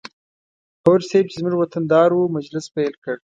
هوډ صیب چې زموږ وطن دار و مجلس پیل کړ.